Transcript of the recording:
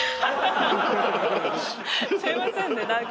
すいませんね何か。